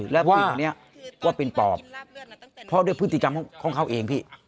แล้วผู้หญิงคนนี้ว่าเป็นปอบเพราะด้วยพฤติกรรมของเขาเองพี่